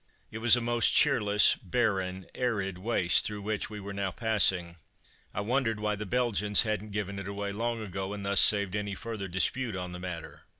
It was a most cheerless, barren, arid waste through which we were now passing. I wondered why the Belgians hadn't given it away long ago, and thus saved any further dispute on the matter.